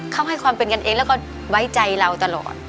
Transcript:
เขาให้ความเป็นกันเองแล้วก็ไว้ใจเราตลอด